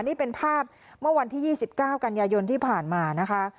นี่เป็นภาพเมื่อวันที่๒๙กันยายนที่ผ่านมานะคะ